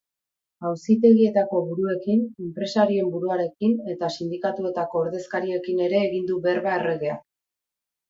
Auzitegietako buruekin, enpresarien buruarekin eta sindikatuetako ordezkariekin ere egin du berba erregeak.